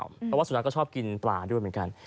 เพราะว่าสุนัขก็ชอบกินปลาด้วยเหมือนกัน